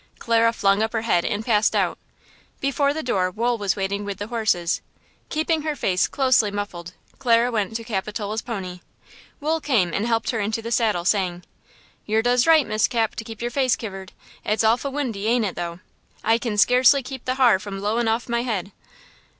Clara flung up her head and passed out. Before the door Wool was waiting with the horses. Keeping her face closely muffled, Clara went to Capitola's pony. Wool came and helped her into the saddle, saying: "Yer does right, Miss Cap, to keep your face kivered; it's awful windy, ain't it, though? I kin scarcely keep the har from blowing offen my head."